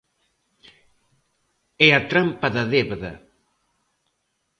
É a trampa da débeda.